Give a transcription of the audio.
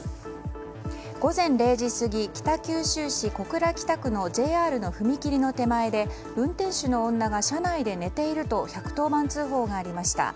午前０時過ぎ北九州市小倉北区のＪＲの踏切の手前で運転手の女が車内で寝ていると１１０番通報がありました。